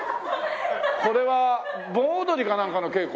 これは盆踊りかなんかの稽古？